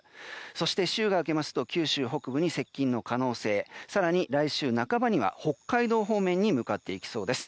そして、週が明けますと九州北部に接近の可能性更に来週半ばには北海道方面に向かっていきそうです。